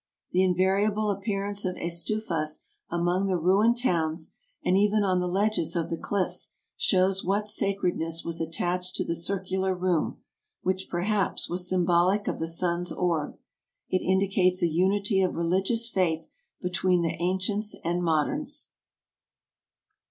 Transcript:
The invariable appearance of estufas among the ruined towns, and even on the ledges of the cliffs, shows what sacredness was attached to the circular room, which, perhaps, was sym bolic of the sun's orb; it indicates a unity of religious faith between the ancients and moderns.